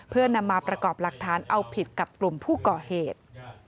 เพื่อนำมาประกอบหลักฐานเอาผิดกับกลุ่มผู้ก่อเหตุ